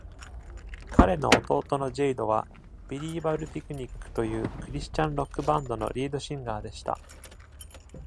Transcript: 彼の弟のジェイドは、ビリーバブルピクニックというクリスチャンロックバンドのリードシンガーでした。